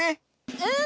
うん！